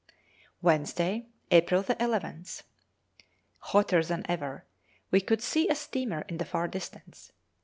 Wednesday, April 11th. Hotter than ever. We could see a steamer in the far distance.